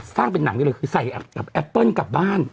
สร้างเป็นหนังด้วยเลยคือใส่แอปเปิลกลับบ้าน